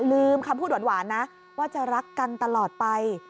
ลืมคำพูดหวานนะว่าจะรักกันตลอดไป